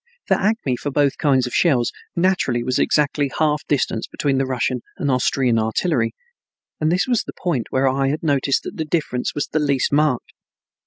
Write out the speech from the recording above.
The acme for both kinds of shells naturally was exactly the half distance between the Russian and Austrian artillery and this was the point where I had noticed that the difference was the least marked.